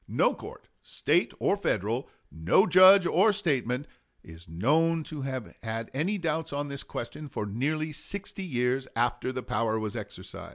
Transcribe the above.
No court, State or Federal, no judge or statesman, is known to have had any doubts on this question for nearly sixty years after the power was exercised."